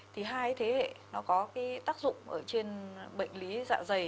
thì hai thế hệ nó có cái tác dụng ở trên bệnh lý dạ dày